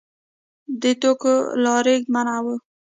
د توکو رالېږد منع و.